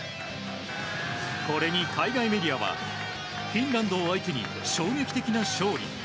これに、海外メディアはフィンランドを相手に衝撃的な勝利。